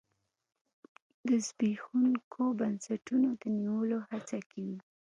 د زبېښونکو بنسټونو د نیولو هڅه کې وي.